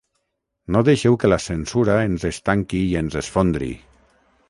No deixeu que la censura ens estanqui i ens esfondri.